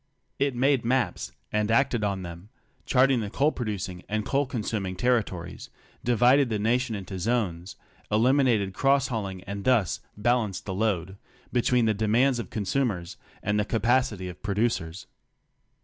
It made maps (and acted on them) charting the coal producing and coal consuming territories, 'divided the nation into zones, eliminated cross hauling and thus "balanced the load" between the demands of consumers and the capacity of producers.